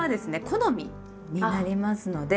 好みになりますので。